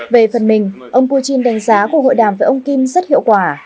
về phần mình ông putin đánh giá cuộc hội đàm với ông kim rất hiệu quả